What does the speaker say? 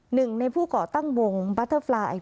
หนึ่งในผู้ก่อตั้งวงบัตเตอร์ไฟล์